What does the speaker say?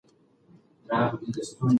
دا کیسه د یوې ماتې هیلې درد بیانوي.